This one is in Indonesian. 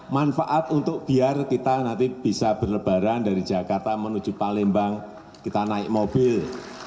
manfaat untuk biar kita nanti bisa berlebaran dari jakarta menuju palembang kita naik mobil